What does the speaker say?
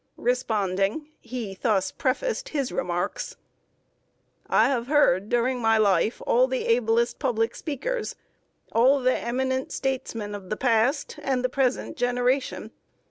Responding, he thus prefaced his remarks: "I have heard, during my life, all the ablest public speakers all the eminent statesmen of the past and the present generation.